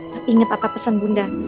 tapi inget apa pesan bunda